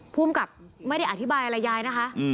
ภูมิกับไม่ได้อธิบายอะไรยายนะคะ